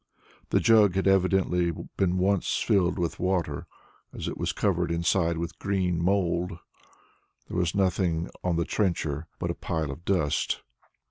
The jug had evidently been once filled with water, as it was covered inside with green mold. There was nothing on the trencher but a pile of dust.